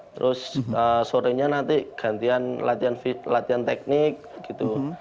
terus sore nya nanti gantian latihan teknik gitu